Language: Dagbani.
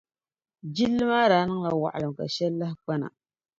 Jilli maa daa niŋla waɣilim ka shɛli lahi kpa na.